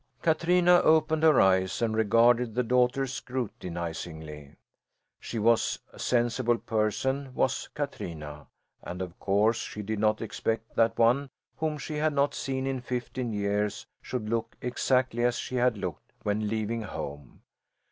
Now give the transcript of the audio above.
Katrina opened her eyes and regarded the daughter scrutinizingly. She was a sensible person, was Katrina, and of course she did not expect that one whom she had not seen in fifteen years should look exactly as she had looked when leaving home.